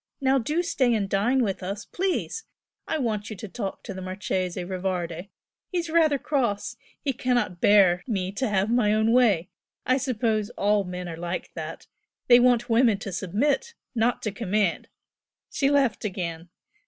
Now do stay and dine with us, please! I want you to talk to the Marchese Rivardi he's rather cross! He cannot bear me to have my own way! I suppose all men are like that! they want women to submit, not to command!" She laughed again.